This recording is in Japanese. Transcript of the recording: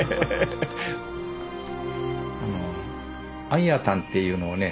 「あんやたん」っていうのをね